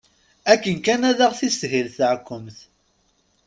Akken kan ad aɣ-teshil teɛkemt.